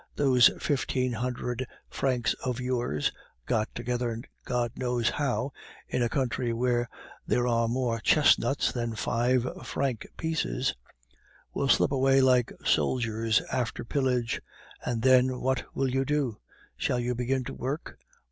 Those fifteen hundred francs of yours (got together, God knows how! in a country where there are more chestnuts than five franc pieces) will slip away like soldiers after pillage. And, then, what will you do? Shall you begin to work?